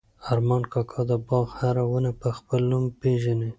ارمان کاکا د باغ هره ونه په خپل نوم پېژني.